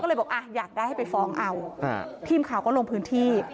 ก็เลยบอกอ่ะอยากได้ให้ไปฟ้องเอาทีมข่าวก็ลงพื้นที่